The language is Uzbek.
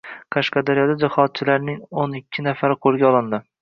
Qashqadaryoda Jihodchilarningo´n ikkinafari qo‘lga olindi